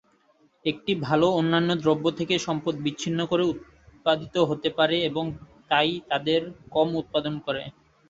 একটি ভাল অন্যান্য দ্রব্য থেকে সম্পদ বিচ্ছিন্ন করে উৎপাদিত হতে পারে, এবং তাই তাদের কম উৎপাদন করে।